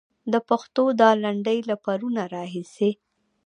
د پښتو دا لنډۍ له پرونه راهيسې.